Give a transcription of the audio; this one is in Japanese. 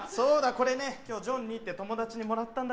これね今日ジョンにって友達にもらったんだ